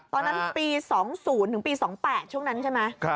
ตอนนั้นปี๒๐ถึงปี๒๘ช่วงนั้นใช่ไหม